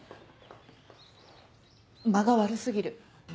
間が悪過ぎる。